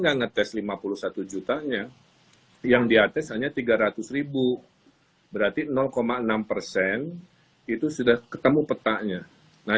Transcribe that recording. mengetes lima puluh satu juta nya yang diates hanya tiga ratus berarti enam persen itu sudah ketemu petanya nah